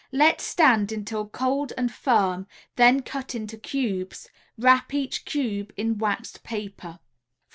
Let stand until cold and firm, then cut in cubes; wrap each cube in waxed paper.